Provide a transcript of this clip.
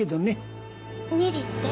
２里って？